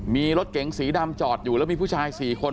มีรถเก๋งสีดำจอดอยู่แล้วมีผู้ชาย๔คน